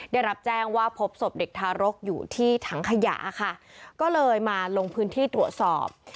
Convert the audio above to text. ได้รับแจ้งว่าพบศพเด็กทารกอยู่ที่ถังขยะค่ะก็เลยมาลงพื้นที่ตรวจสอบ